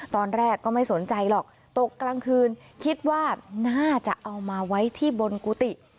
ตอนแรกก็ไม่สนใจหรอกตกกลางคืนคิดว่าน่าจะเอามาไว้ที่บนกุฏิ